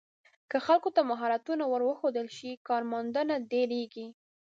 که خلکو ته مهارتونه ور وښودل شي، کارموندنه ډېریږي.